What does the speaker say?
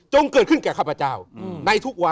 จงเกิดขึ้นแก่ข้าพเจ้า